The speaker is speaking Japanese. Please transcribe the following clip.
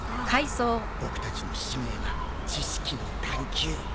僕たちの使命は知識の探求